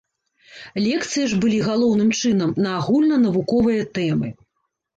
Лекцыі ж былі, галоўным чынам, на агульнанавуковыя тэмы.